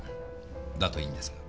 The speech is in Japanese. だといいんですが。